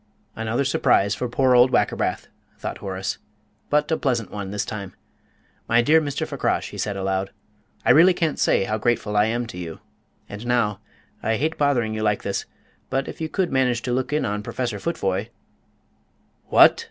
"Another surprise for poor old Wackerbath," thought Horace, "but a pleasant one this time. My dear Mr. Fakrash," he said aloud, "I really can't say how grateful I am to you. And now I hate bothering you like this, but if you could manage to look in on Professor Futvoye " "What!"